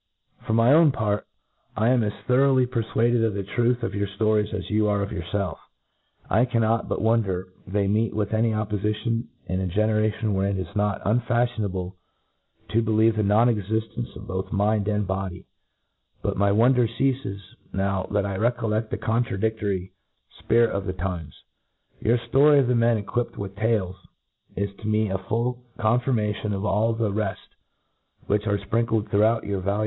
For my own part, as I an> as thoroughly per fuaded of the truth of your (lories as you arc yourfelf, I cannot but wonder they meet with any oppofition in a generation wherein it is not unfafhionable to believe the non exiflence of both mixjd and body j— but my wonder ceafes, now that I recoiled the contradiftory fgirit of the times. Your ftory of the men equipped with tails is to me a full confirmation of all the refl which are fprinkkd throughout your valua